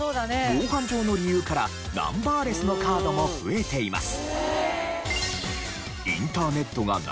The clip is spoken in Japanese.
防犯上の理由からナンバーレスのカードも増えています。